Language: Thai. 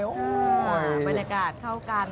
บรรยากาศเข้ากัน